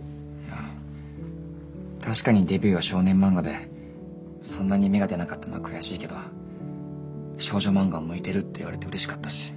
いや確かにデビューは少年漫画でそんなに芽が出なかったのは悔しいけど少女漫画も向いてるって言われてうれしかったし。